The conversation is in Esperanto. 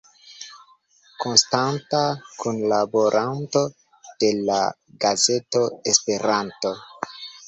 Konstanta kunlaboranto de la gazeto Esperanto.